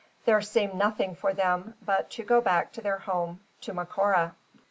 There seemed nothing for them but to go back to their home to Macora.